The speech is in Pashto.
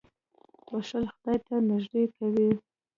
• بښل خدای ته نېږدې کوي.